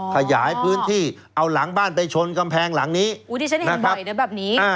ขยายพื้นที่เอาหลังบ้านไปชนกำแพงหลังนี้อุ้ยที่ฉันเห็นบ่อยเดี๋ยวแบบนี้